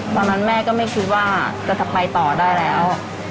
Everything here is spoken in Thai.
ตอนนั้นแม่ก็ไม่คิดว่าจะไปต่อได้แล้ว